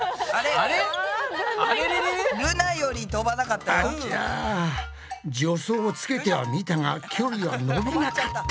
あちゃ助走をつけてはみたが距離は伸びなかった。